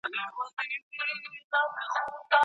که شرایط برابر شي نو هېڅ ماشوم به له زده کړو پاتې نه شي.